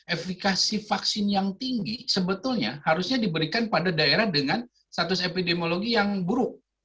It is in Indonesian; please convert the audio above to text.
efekasi vaksin yang tinggi sebetulnya harusnya diberikan pada daerah dengan status epidemiologi yang buruk